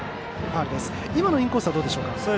今のインコースはどうでしょうか。